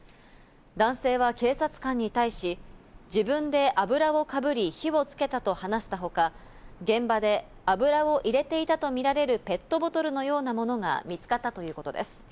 男性は警察官に対し、自分で油をかぶり火をつけたと話したほか、現場で油を入れていたとみられるペットボトルのようなものが見つかったということです。